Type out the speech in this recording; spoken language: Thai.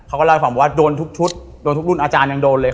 เขาก็เล่าให้ฟังว่าโดนทุกชุดโดนทุกรุ่นอาจารย์ยังโดนเลยค่ะ